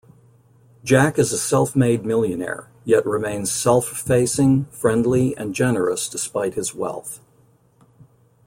Jack is a self-made millionaire, yet remains self-effacing, friendly and generous despite his wealth.